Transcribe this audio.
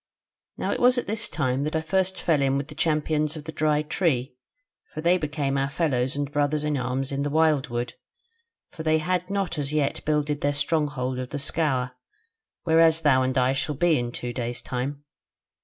"Now it was at this time that I first fell in with the Champions of the Dry Tree; for they became our fellows and brothers in arms in the wildwood: for they had not as yet builded their stronghold of the Scaur, whereas thou and I shall be in two days time.